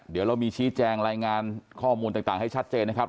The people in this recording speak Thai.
เดี๋ยวเรามีชี้แจงรายงานข้อมูลต่างให้ชัดเจนนะครับ